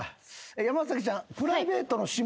山ちゃん。